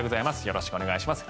よろしくお願いします。